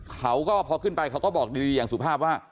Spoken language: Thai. เขาก็พอขึ้นไปเขาก็บอกดีอย่างสุภาพว่า